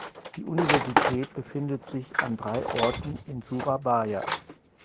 Die Universität befindet sich an drei Orten in Surabaya.